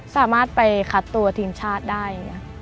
สามารถไปคัดตัวทีมชาติได้